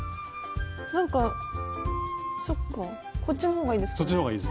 なんかそっかこっちの方がいいですか？